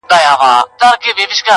یو وخت زما هم برابره زندګي وه -